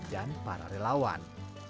dan para relawan